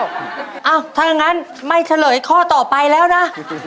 เอ้าถ้าอย่างนั้นไม่เฉลยข้อต่อไปแล้วนะ